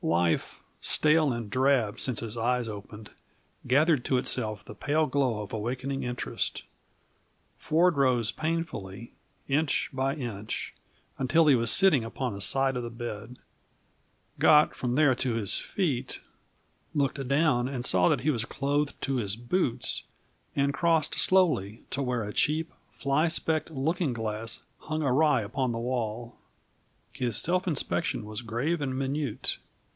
Life, stale and drab since his eyes opened, gathered to itself the pale glow of awakening interest. Ford rose painfully, inch by inch, until he was sitting upon the side of the bed, got from there to his feet, looked down and saw that he was clothed to his boots, and crossed slowly to where a cheap, flyspecked looking glass hung awry upon the wall. His self inspection was grave and minute.